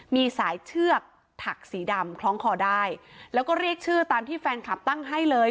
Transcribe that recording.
มีสายเชือกถักสีดำคล้องคอได้แล้วก็เรียกชื่อตามที่แฟนคลับตั้งให้เลย